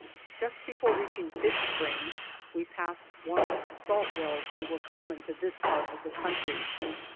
Just before reaching Fish springs, we passed one of the salt wells that were common to this part of the country.